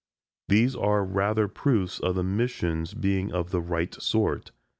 These are rather proofs of the missions being of the right sort.